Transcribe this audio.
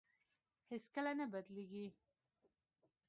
هېڅ کله نه بدلېږي.